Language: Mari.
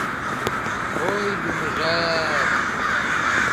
Ой, Юмыжа-ат...